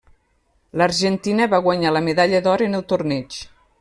L'Argentina va guanyar la medalla d'or en el torneig.